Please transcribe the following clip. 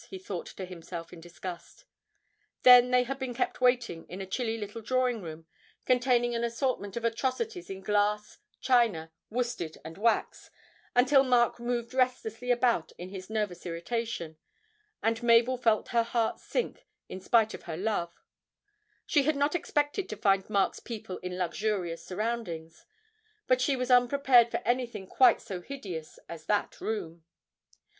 he thought to himself in disgust. Then they had been kept waiting in a chilly little drawing room, containing an assortment of atrocities in glass, china, worsted, and wax, until Mark moved restlessly about in his nervous irritation, and Mabel felt her heart sink in spite of her love; she had not expected to find Mark's people in luxurious surroundings, but she was unprepared for anything quite so hideous as that room.